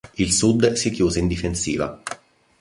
Il Sud si chiuse in difensiva.